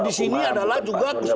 di sini adalah juga